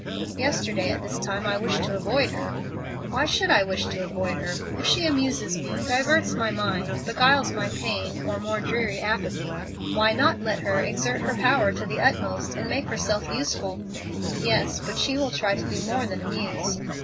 Yesterday at this time I wished to avoid her. "Why should I wish to avoid her? If she amuses me, diverts my mind, beguiles my pain, or more dreary apathy, why not let her exert her power to the utmost and make herself useful? Yes, but she will try to do more than amuse.